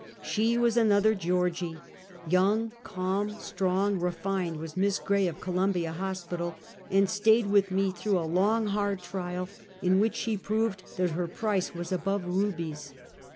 " She was another Georgie — young, calm, strong, re fined, was Miss Gray of Columbia Hospital, and staid with me through a long hard trial, in which she proved that her price was above rubies.